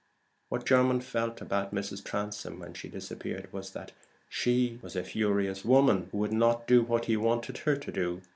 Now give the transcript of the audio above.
What Jermyn felt about Mrs. Transome when she disappeared was, that she was a furious woman who would not do what he wanted her to do.